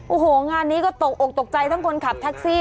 โอ้โหงานนี้ก็ตกอกตกใจทั้งคนขับแท็กซี่